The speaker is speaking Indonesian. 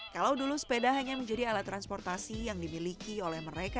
kalau dulu sepeda hanya menjadi alat transportasi yang dimiliki oleh mereka